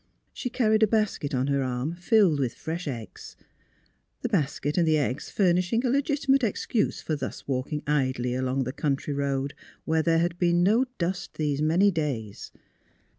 She carried a basket on her arm filled with fresh eggs; the basket and the eggs furnishing a legitimate excuse for thus walk ing idly along the country road where there had been no dust these many days.